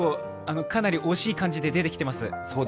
かなり惜しい感じで出てきています。